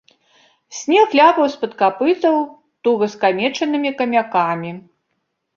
Снег ляпаў з-пад капытоў туга скамечанымі камякамі.